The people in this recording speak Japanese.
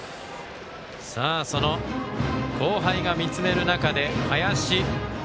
その後輩が見つめる中で、バッターは林。